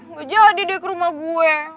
nggak jadi dia ke rumah gue